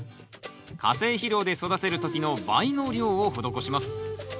化成肥料で育てる時の倍の量を施します。